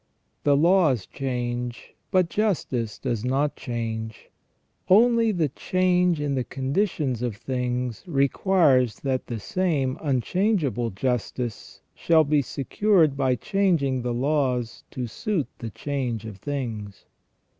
The laws change, but justice does not change ; only the change in the conditions of things requires that the same unchangeable justice shall be secured by changing the laws to suit the change of things.